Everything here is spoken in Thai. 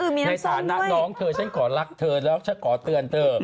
ในฐานะน้องเธอฉันขอรักเธอแล้วฉันขอเตือนเธอ